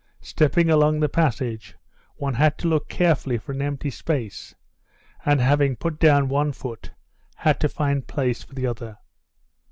Stepping along the passage, one had to look carefully for an empty space, and having put down one foot had to find place for the other.